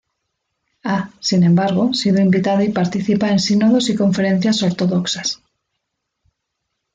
Ha, sin embargo, sido invitada y participa en sínodos y conferencias ortodoxas.